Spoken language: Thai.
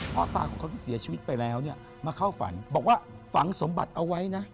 พ่อตาของเขาที่เสียชีวิตไปแล้วเนี่ยมาเข้าฝันบอกว่าฝังสมบัติเอาไว้นะ